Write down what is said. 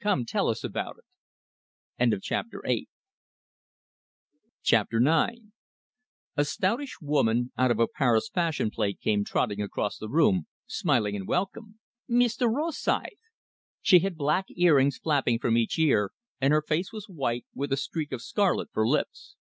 "Come tell us about it!" IX A stoutish woman out of a Paris fashion plate came trotting across the room, smiling in welcome: "Meester Rosythe!" She had black earrings flapping from each ear, and her face was white, with a streak of scarlet for lips.